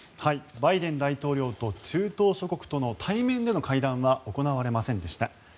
バイデン大統領と中東諸国との対面での会談は行われませんでした。